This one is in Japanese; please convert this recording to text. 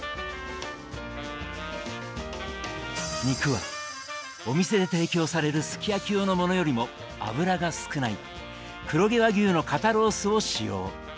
肉はお店で提供されるすき焼き用のものよりも脂が少ない黒毛和牛の肩ロースを使用。